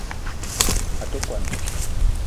A te kwuan